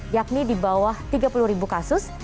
yakni di bawah tiga puluh ribu kasus